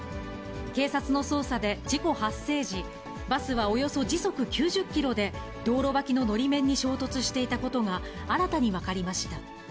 警察の捜査で事故発生時、バスはおよそ時速９０キロで道路脇ののり面に衝突していたことが、新たに分かりました。